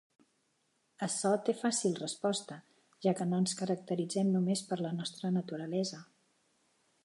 Açò té fàcil resposta, ja que no ens caracteritzem només per la nostra naturalesa.